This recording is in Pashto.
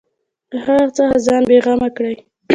له هغه څخه ځان بېغمه کړي.